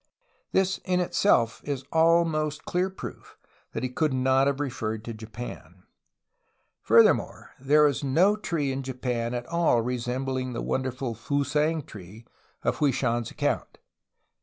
This in itself is almost clear proof that he could not have referred to Japan. Furthermore, there is no tree in Japan at all resembling the wonderful ' 'Fusang tree" of Hwui Shan's account.